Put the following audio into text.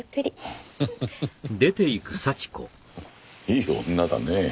いい女だねぇ。